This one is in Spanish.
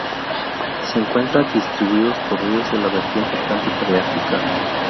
Se encuentran distribuidos por ríos de la vertiente atlántica de África.